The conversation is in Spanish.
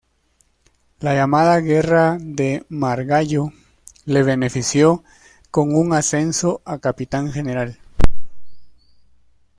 La llamada guerra de Margallo le benefició con un ascenso a capitán general.